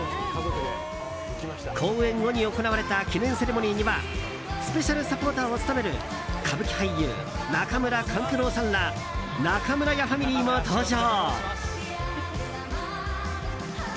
公演後に行われた記念セレモニーにはスペシャルサポーターを務める歌舞伎俳優・中村勘九郎さんら中村屋ファミリーも登場。